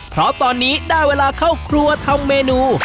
เพราะตอนนี้ได้เวลาเข้าครัวทำเมนู